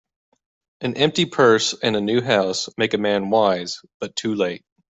An empty purse, and a new house, make a man wise, but too late.